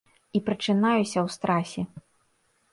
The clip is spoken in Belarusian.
І прачынаюся ў страсе.